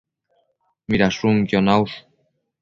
Midashunquio naush?